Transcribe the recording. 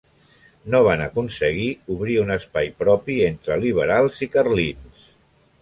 No van aconseguir obrir un espai propi entre liberals i carlins.